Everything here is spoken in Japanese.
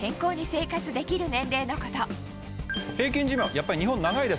やっぱり日本長いです。